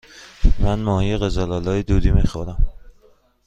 من ماهی قزل آلا دودی می خورم.